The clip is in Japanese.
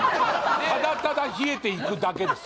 ただただ冷えていくだけです